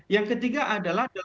yang ketiga adalah